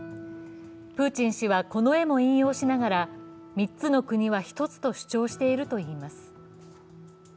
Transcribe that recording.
プーチン氏はこの絵も引用しながら３つの国は一つと主張しているといいます。